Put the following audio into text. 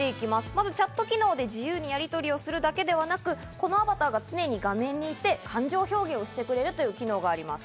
まず、チャット機能で自由にやりとりをするだけではなく、このアバターが常に画面にいて、感情表現をしてくれるという機能があります。